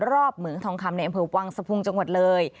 เหมืองทองคำในอำเภอวังสะพุงจังหวัดเลย